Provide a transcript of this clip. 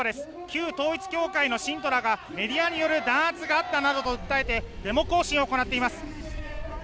旧統一教会の信徒らがメディアによる弾圧があったとしてデモ行進を行っています。